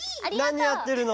なにやってるの？